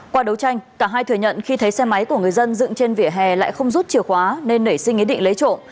qua đấu tranh cả hai thừa nhận khi thấy xe máy của người dân dựng trên vỉa hè lại không rút chìa khóa nên nảy sinh ý định lấy trộm